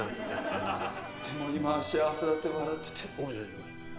でも今は幸せだって笑ってて。